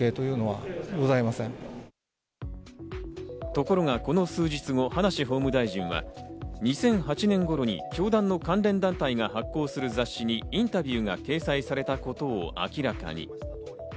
ところが、この数日後、葉梨法務大臣は２００８年頃に教団の関連団体が発行する雑誌にインタビューが掲載されたことを明らかに。